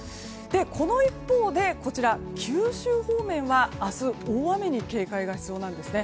この一方で九州方面は明日、大雨に警戒が必要です。